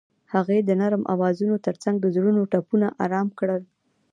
هغې د نرم اوازونو ترڅنګ د زړونو ټپونه آرام کړل.